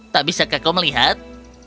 tak bisakah kau melihat